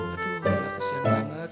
aduh ya kesian banget